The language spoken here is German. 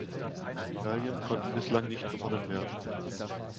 Medaillen konnten bislang nicht gewonnen werden.